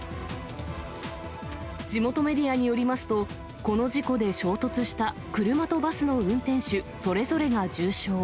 地元メディアによりますと、この事故で衝突した車とバスの運転手それぞれが重傷。